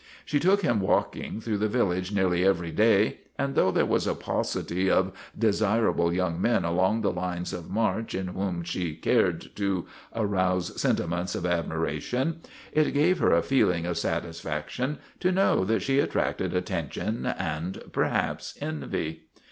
She took him walking through the village nearly every day, and though there was a paucity of desirable young men along the line of march in whom she cared to arouse sentiments of admiration, it gave her a feeling of satisfaction to know that she attracted attention and perhaps envy.